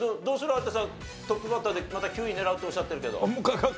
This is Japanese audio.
有田さんトップバッターでまた９位狙うっておっしゃってるけど。